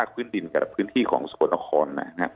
พื้นดินกับพื้นที่ของสกลนคร